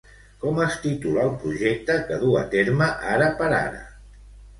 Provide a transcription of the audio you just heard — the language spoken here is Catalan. Com es titula el projecte que du a terme ara per ara?